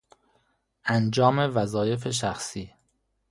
انجام وظایف شخصی